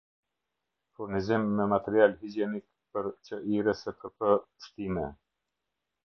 Furnizimi me material higjenik per qirskp-shtime